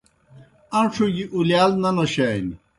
اݩڇھوْ گیْ اُلِیال نہ نوشانیْ